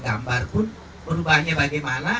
gambar pun merubahnya bagaimana